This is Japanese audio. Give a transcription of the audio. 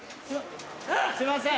すいません。